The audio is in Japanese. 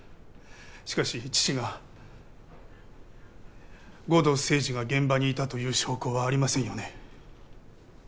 しかし父が護道清二が現場にいたという証拠はありませんよね？